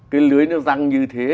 cái lưới nó răng như thế